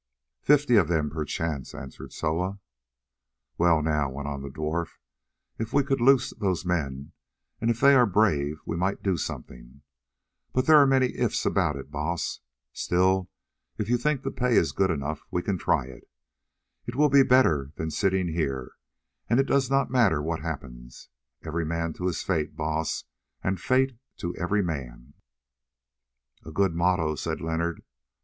"Fifty of them perchance," answered Soa. "Well now," went on the dwarf, "if we could loose those men and if they are brave we might do something, but there are many if's about it, Baas. Still if you think the pay is good enough we can try. It will be better than sitting here, and it does not matter what happens. Every man to his fate, Baas, and fate to every man." "A good motto," said Leonard.